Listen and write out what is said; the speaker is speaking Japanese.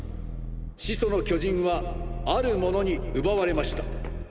「始祖の巨人」はある者に奪われました。